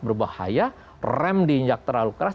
berbahaya rem diinjak terlalu keras